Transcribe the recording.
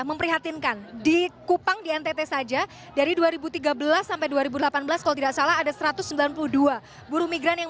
memprihatinkan di kupang di ntt saja dari dua ribu tiga belas sampai dua ribu delapan belas kalau tidak salah ada satu ratus sembilan puluh dua buruh migran yang